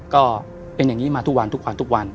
ก็เป็นอย่างนี้มาทุกวันทุกวัน